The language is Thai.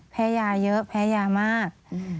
แพ้ยาเยอะแพ้ยามาก